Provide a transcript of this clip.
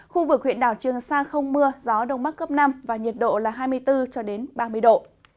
khu vực huyện đảo trường sa không mưa gió đông bắc cấp năm và nhiệt độ là hai mươi bốn cho đến ba mươi độ